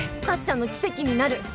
タッちゃんの奇跡になる。